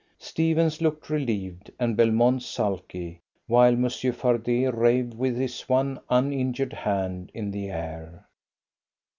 Stephens looked relieved, and Belmont sulky, while Monsieur Fardet raved, with his one uninjured hand in the air.